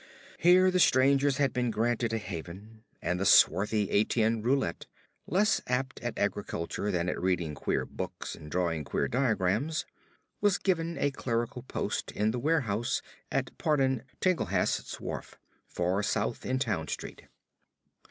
Here the strangers had been granted a haven; and the swarthy Etienne Roulet, less apt at agriculture than at reading queer books and drawing queer diagrams, was given a clerical post in the warehouse at Pardon Tillinghast's wharf, far south in Town Street.